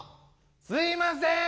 ・すいません！